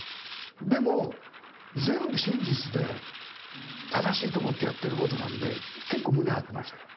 でも全部真実で正しいと思ってやってることなんで結構胸張ってましたよ。